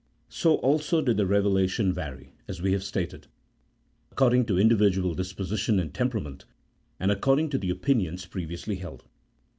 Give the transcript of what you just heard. So also did the revelation vary, as we have stated, according to individual disposition and temperament, and according to the opinions previously held.